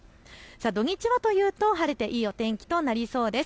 土日は晴れていいお天気となりそうです。